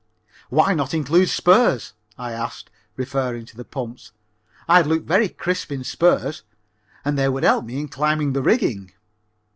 "Why not include spurs?" I asked, referring to the pumps. "I'd look very crisp in spurs, and they would help me in climbing the rigging."